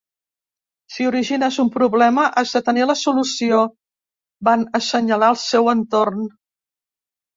“Si origines un problema, has de tenir la solució”, van assenyalar al seu entorn.